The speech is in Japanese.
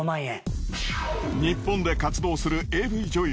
日本で活動するＡＶ女優